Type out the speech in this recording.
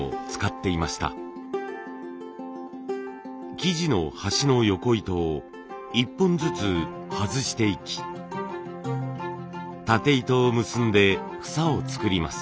生地の端の横糸を一本ずつ外していき縦糸を結んでフサを作ります。